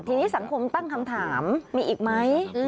ทีนี้สังคมตั้งคำถามมีอีกไหม